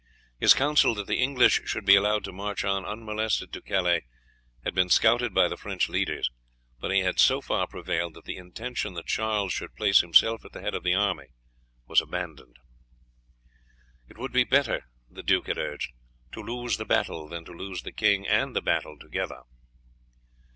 His counsel that the English should be allowed to march on unmolested to Calais, had been scouted by the French leaders, but he had so far prevailed that the intention that Charles should place himself at the head of the army was abandoned. "It would be better," the duke had urged, "to lose the battle than to lose the king and the battle together."